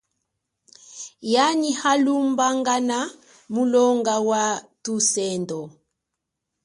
Nyali halumbangana mulonga wathusendo.